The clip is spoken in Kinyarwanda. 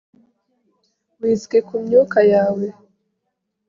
whisky kumyuka yawe